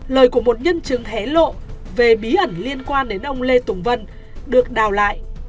lời của một nhân chứng hé lộ về bí ẩn liên quan đến ông lê tùng vân được đào lại